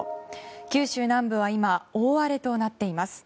九州南部は今大荒れとなっています。